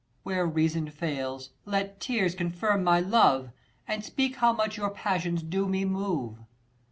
Where reason fails, let tears^confirmjnny .love, And speak how much your passions do me move.